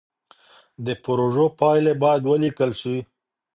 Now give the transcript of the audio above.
د پروژو پايلې بايد وليکل سي.